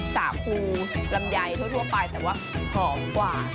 สาคูลำไยทั่วไปแต่ว่าหอมกว่า